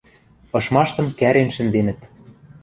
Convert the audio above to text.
Ышмаштым кӓрен шӹнденӹт.